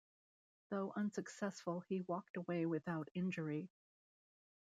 Though unsuccessful, he walked away without injury.